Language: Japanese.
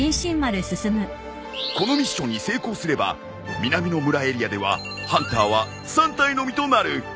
このミッションに成功すれば南の村エリアではハンターは３体のみとなる。